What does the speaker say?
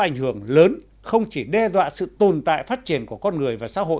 ảnh hưởng lớn không chỉ đe dọa sự tồn tại phát triển của con người và xã hội